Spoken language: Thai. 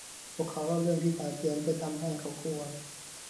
พวกเขาเล่าเรื่องที่ป่าเถื่อนเพื่อทำให้เขากลัว